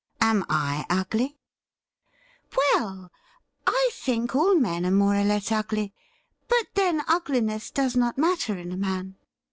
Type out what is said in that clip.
Am I ugly ?'' Well, I think all men are more or less ugly ; but, then,, ugliness does not matter in a man.'